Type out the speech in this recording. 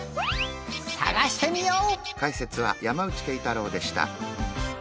さがしてみよう！